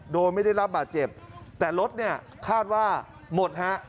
โดยไม่ได้รับบาดเจ็บแต่รถเนี่ยคาดว่าหมดฮะ